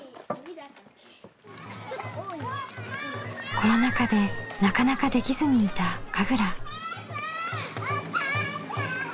コロナ禍でなかなかできずにいた神楽。